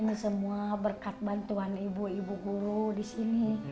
ini semua berkat bantuan ibu ibu guru di sini